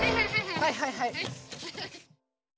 はいはいはい。